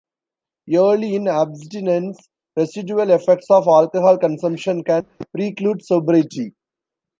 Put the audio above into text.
Early in abstinence, residual effects of alcohol consumption can preclude sobriety.